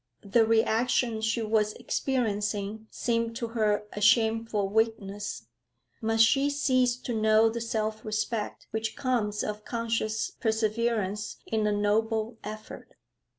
The reaction she was experiencing seemed to her a shameful weakness. Must she cease to know the self respect which comes of conscious perseverance in a noble effort?